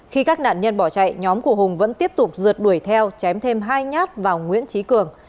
khi các nạn nhân bỏ chạy nhóm của hùng vẫn tiếp tục rượt đuổi theo chém thêm hai nhát vào nguyễn trí cường